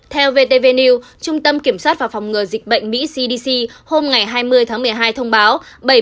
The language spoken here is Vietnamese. theo vtv trung tâm kiểm soát và phòng ngừa dịch bệnh mỹ cdc hôm hai mươi tháng một mươi hai thông báo